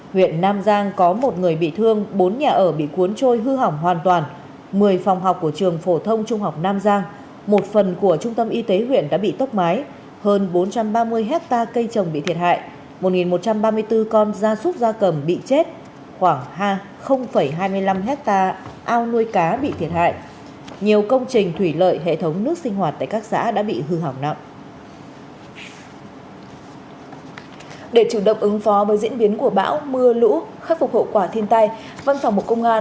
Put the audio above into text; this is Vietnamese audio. huyện đông giang có một người bị thương bốn nhà ở bị cuốn trôi hư hỏng hoàn toàn một mươi phòng học của trường phổ thông trung học đông giang một phần của trung tâm y tế huyện đã bị tốc mái hơn bốn trăm ba mươi hectare cây trồng bị thiệt hại một một trăm ba mươi bốn con da súc da cầm bị chết khoảng hai mươi năm hectare ao nuôi cá bị thiệt hại nhiều công trình thủy lợi hệ thống nước sinh hoạt tại các xã đã bị hư hỏng nặng